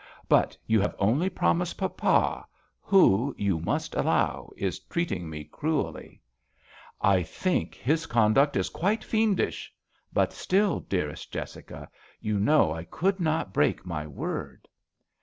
" But you have only promised papa, who, you must allow, is treating me cruelly." I think his conduct is quite fiendish; but still, dearest Jessica, you know I could not break my word."